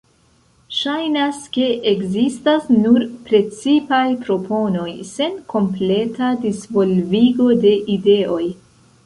Ŝajnas ke ekzistas nur precipaj proponoj sen kompleta disvolvigo de ideoj.